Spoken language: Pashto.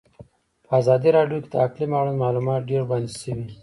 په ازادي راډیو کې د اقلیم اړوند معلومات ډېر وړاندې شوي.